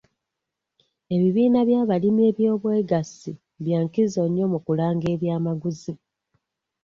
Ebibiina by'abalimi eby'obwegassi bya nkiko nnyo mu kulanga eby'amaguzi.